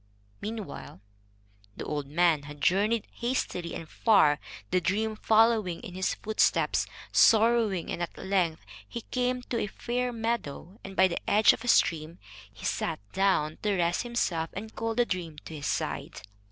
Meanwhile, the old man had journeyed hastily and far, the dream following in his footsteps, sorrowing; and at length he came to a fair meadow, and by the edge of a stream he sat down to rest himself, and called the dream to his side.